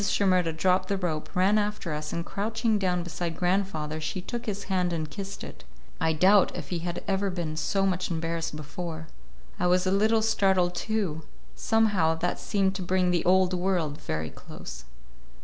Shimerda dropped the rope, ran after us, and crouching down beside grandfather, she took his hand and kissed it. I doubt if he had ever been so much embarrassed before. I was a little startled, too. Somehow, that seemed to bring the Old World very close.